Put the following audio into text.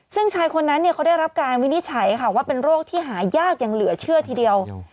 ซึ่งชายคนนั้นเขาได้รับการวินิจฉัยค่ะว่าเป็นโรคที่หายากอย่างเหลือเชื่อทีเดียว